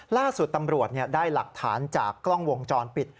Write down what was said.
ล่าสุดตำรวจได้หลักฐานจากกล้องวงจรปิด